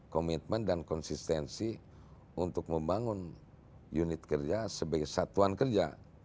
komitmen dan konsistensi untuk membangun unit kerja sebagai satuan kerja